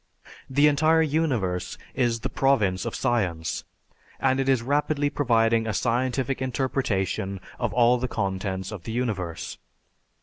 The entire universe is the province of science and it is rapidly providing a scientific interpretation of all the contents of the universe.